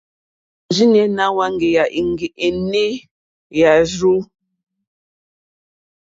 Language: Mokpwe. Òrzìɲɛ́ ná hwáŋɡèyà énè hwàrzù.